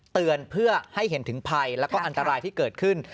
เตือนเพื่อให้เห็นถึงภัยแล้วก็อันตรายที่เกิดขึ้น